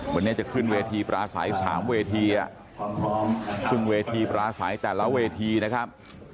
วันนี้จะขึ้นเวทีปราศัย๓เวทีซึ่งเวทีปราศัยแต่ละเวทีนะครับ